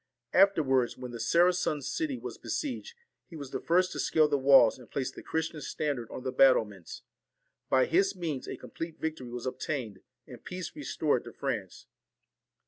After wards, when the Saracen city was besieged, he was the first to scale the walls and place the Christian standard on the battlements. By his means a complete victory was obtained, and peace restored to France.